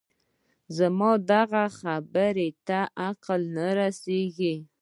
زما دغه خبرې ته عقل نه رسېږي